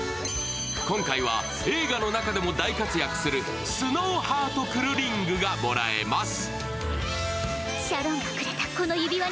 今回は映画の中でも大活躍するスノーハートクルリングがもらえます。